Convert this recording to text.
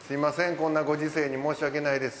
こんなご時勢に申し訳ないです。